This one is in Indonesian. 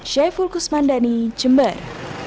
syekh fulkus mandani jember